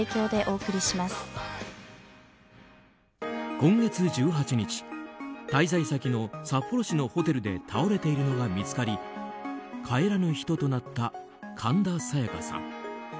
今月１８日、滞在先の札幌市のホテルで倒れているのが見つかり帰らぬ人となった神田沙也加さん。